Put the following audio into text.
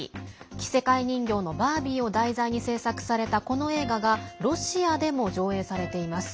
着せ替え人形のバービーを題材に製作された、この映画がロシアでも上映されています。